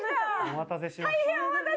お待たせしました。